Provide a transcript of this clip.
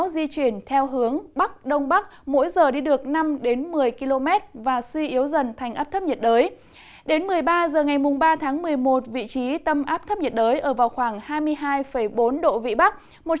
đến một mươi ba h ngày ba tháng một mươi một vị trí tâm áp thấp nhiệt đới ở vào khoảng hai mươi hai bốn độ vĩ bắc